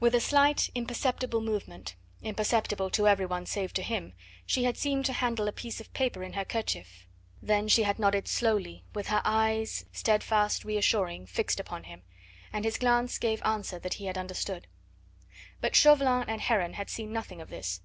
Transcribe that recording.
With a slight, imperceptible movement imperceptible to every one save to him, she had seemed to handle a piece of paper in her kerchief, then she had nodded slowly, with her eyes steadfast, reassuring fixed upon him, and his glance gave answer that he had understood. But Chauvelin and Heron had seen nothing of this.